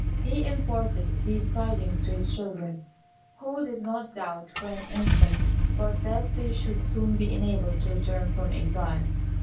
He imparted these tidings to his children, who did not doubt for an instant but that they should soon be enabled to return from exile.